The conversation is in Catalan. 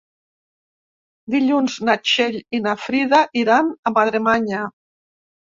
Dilluns na Txell i na Frida iran a Madremanya.